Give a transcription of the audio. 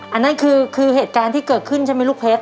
อันนั้นคือเหตุการณ์ที่เกิดขึ้นใช่ไหมลูกเพชร